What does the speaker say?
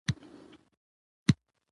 موږ باید دې لارښوونې ته غوږ شو.